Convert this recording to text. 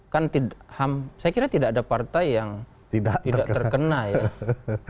kan saya kira tidak ada partai yang tidak terkena ya